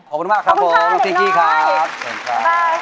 ขอบคุณมากครับผมขอบคุณค่ะเด็กน้อยขอบคุณค่ะบ๊ายค่ะ